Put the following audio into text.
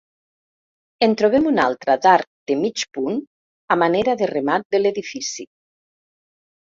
En trobem una altra d'arc de mig punt a manera de remat de l'edifici.